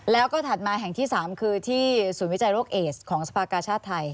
แล้วก็ถัดมาแห่งที่๓คือที่ศูนย์วิจัยโรคเอสของสภากาชาติไทย